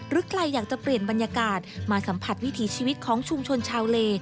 ใครอยากจะเปลี่ยนบรรยากาศมาสัมผัสวิถีชีวิตของชุมชนชาวเล